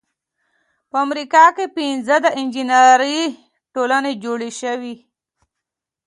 په امریکا کې پنځه د انجینری ټولنې جوړې شوې.